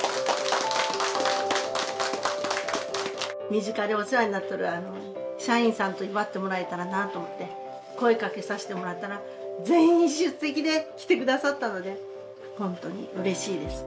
身近でお世話になっとる社員さんと祝ってもらえたらなと思って声かけさせてもらったら全員出席で来てくださったので本当にうれしいです。